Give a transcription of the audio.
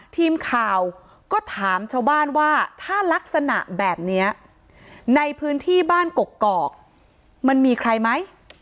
ทีมข่าวก็ถามชาวบ้านว่าถ้ารักษณะแบบนี้ในพื้นที่บ้านกกอกมันมีใครไหม